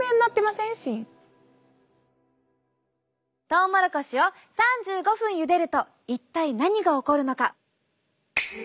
トウモロコシを３５分ゆでると一体何が起こるのか？